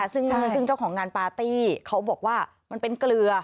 ซึ่งเจ้าของงานปาร์ตี้เขาบอกว่ามันเป็นเกลือ